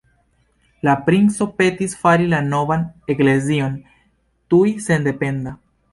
La princo petis fari la novan Eklezion tuj sendependa.